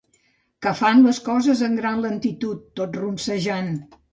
Que fan les coses amb gran lentitud, tot ronsejant.